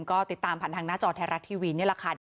ก็ติดตามผ่านทางหน้าจอไทยรัฐทีวีนี่แหละค่ะ